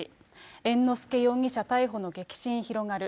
猿之助容疑者逮捕の激震広がる。